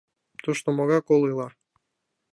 — Тушто могай кол ила?